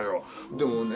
でもね